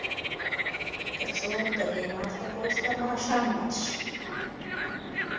که څوک د بيمار تپوس ته ماښام لاړ شي؛